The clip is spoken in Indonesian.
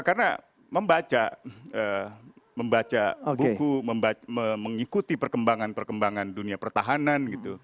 karena membaca buku mengikuti perkembangan perkembangan dunia pertahanan